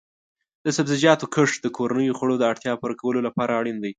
د سبزیجاتو کښت د کورنیو خوړو د اړتیا پوره کولو لپاره اړین دی.